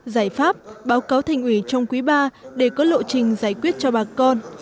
giải pháp báo cáo thành ủy trong quý ba để có lộ trình giải quyết cho bà con